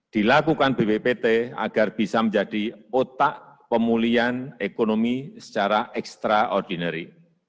dilakukan bppt agar bisa menjadi otak pemulihan ekonomi secara ekstraordinary